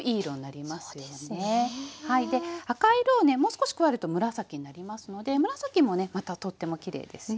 で赤い色をねもう少し加えると紫になりますので紫もねまたとってもきれいですよ。